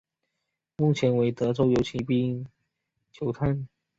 目前为德州游骑兵队球探。